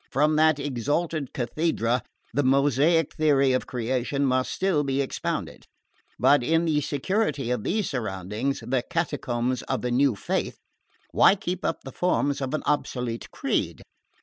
From that exalted cathedra the Mosaic theory of Creation must still be expounded; but in the security of these surroundings the catacombs of the new faith why keep up the forms of an obsolete creed?